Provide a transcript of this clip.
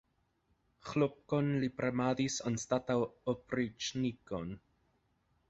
Ĥlopkon li premadis anstataŭ opriĉnikon!